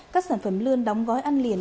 các sản phẩm lươn đóng gói ăn liền